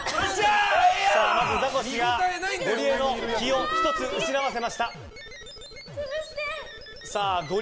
ザコシがゴリエの機を１つ失わせました。